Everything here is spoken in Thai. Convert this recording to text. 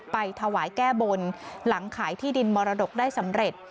ไปถวายแก้บนหลังขายที่ดินมรดกได้สำเร็จ